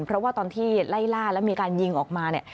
เพราะว่าตอนที่ไล่ล่าแล้วมีการยิงออกมาเนี่ย